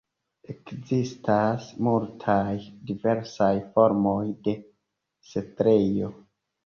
Ekzistas multaj diversaj formoj de setlejo.